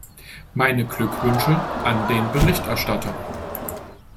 Meine Glückwünsche an den Berichterstatter.